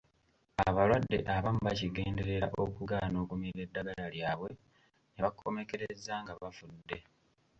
Abalwadde abamu bakigenderera okugaana okumira eddagala lyabwe ne bakomekkereza nga bafudde.